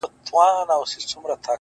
خداى خو دې هركله د سترگو سيند بهانه لري؛